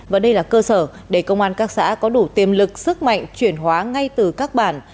và đây là cơ sở để công an các xã có đủ tiềm lực sức mạnh chuyển hóa ngay từ các bản